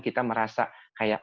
kita merasa kayak